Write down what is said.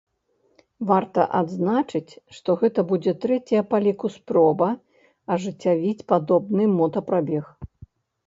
Варта адзначыць, што гэта будзе трэцяя па ліку спроба ажыццявіць падобны мотапрабег.